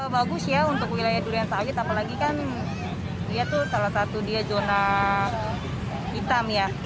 bagus ya untuk wilayah durensawit apalagi kan dia tuh salah satu zona hitam ya